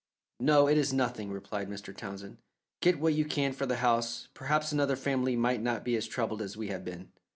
"No; it is nothing," replied Mr. Townsend. "Get what you can for the house; perhaps another family might not be as troubled as we have been."